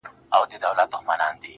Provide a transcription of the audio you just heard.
د سر په سترگو چي هغه وينمه.